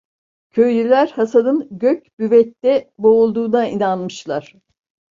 Köylüler Hasan'ın Gök Büvet'te boğulduğuna inanmışlar.